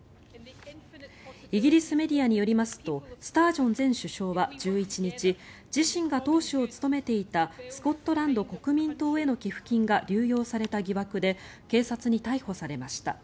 イギリスメディアによりますとスタージョン前首相は１１日自身が党首を務めていたスコットランド国民党への寄付金が流用された疑惑で警察に逮捕されました。